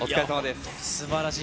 すばらしい。